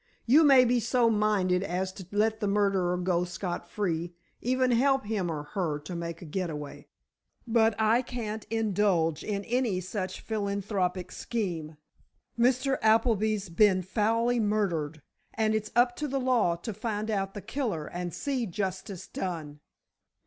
You may be so minded as to let the murderer go scot free, even help him or her to make a getaway, but I can't indulge in any such philanthropic scheme. Mr. Appleby's been foully murdered, and it's up to the law to find out the killer and see justice done.